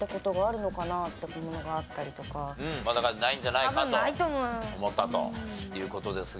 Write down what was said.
まあだからないんじゃないかと思ったという事ですが。